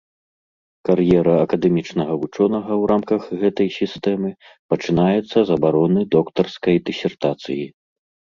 Кар'ера акадэмічнага вучонага ў рамках гэтай сістэмы пачынаецца з абароны доктарскай дысертацыі.